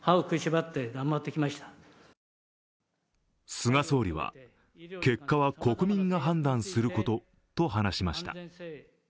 菅総理は結果は国民が判断することと話しました。